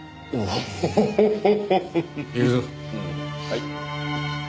はい。